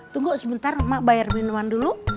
tunggu sebentar mak bayar minuman dulu